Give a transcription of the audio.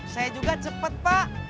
saya juga cepet pak